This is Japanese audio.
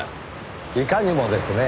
いかにもですねぇ。